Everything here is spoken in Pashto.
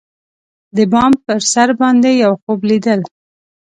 د بام پر سر باندی یوخوب لیدل